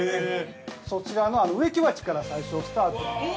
◆そちらの植木鉢から最初スタートして。